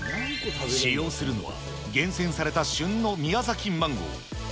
使用するのは、厳選された旬の宮崎マンゴー。